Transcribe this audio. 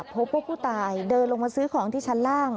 พบว่าผู้ตายเดินลงมาซื้อของที่ชั้นล่าง